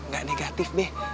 gak negatif be